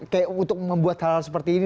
kayak untuk membuat hal hal seperti ini